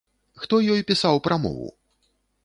Хто ёй пісаў прамову?